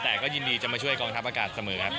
แต่ก็ยินดีจะมาช่วยกองทัพอากาศเสมอครับ